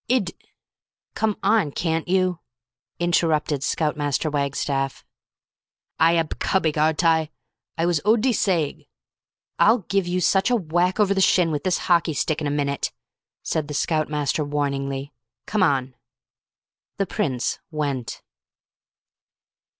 Id " "Come on, can't you," interrupted Scout Master Wagstaff. "I ab cubbing, aren't I? I was odly saying " "I'll give you such a whack over the shin with this hockey stick in a minute!" said the Scout Master warningly. "Come on!" The Prince went.